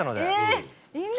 えっ！